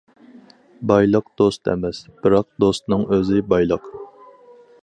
بايلىق دوست ئەمەس، بىراق دوستنىڭ ئۆزى بايلىق.